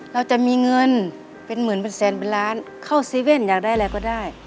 เราจะมีเงินเป็นหมื่นเป็นแสนเป็นล้านเข้าซีเว่นอยากได้อะไรก็ได้